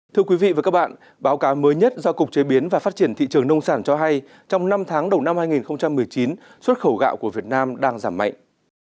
thưa quý vị và các bạn báo cáo mới nhất do cục chế biến và phát triển thị trường nông sản cho hay trong năm tháng đầu năm hai nghìn một mươi chín xuất khẩu gạo của việt nam đang giảm mạnh